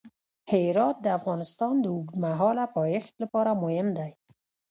هرات د افغانستان د اوږدمهاله پایښت لپاره مهم دی.